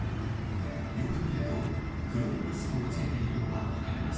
よく見ると黒いマスクを着けているのが分かります。